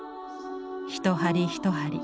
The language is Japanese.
一針一針